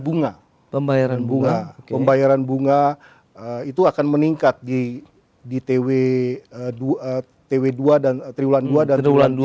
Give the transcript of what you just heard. bunga pembayaran bunga pembayaran bunga itu akan meningkat di tw dua dan triwulan dua dan triwulan dua